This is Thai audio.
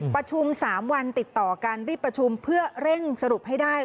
ประชุม๓วันติดต่อกันรีบประชุมเพื่อเร่งสรุปให้ได้